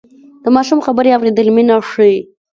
د ماشوم خبرې اورېدل مینه ښيي.